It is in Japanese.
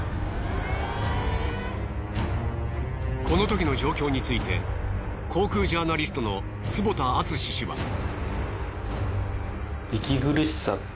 このときの状況について航空ジャーナリストの坪田敦史氏は。